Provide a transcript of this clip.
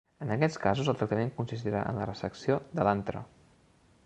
En aquests casos el tractament consistirà en la resecció de l'antre.